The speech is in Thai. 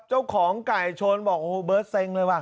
เจ้าของไก่ชนบอกโอ้โหเบิร์ตเซ็งเลยว่ะ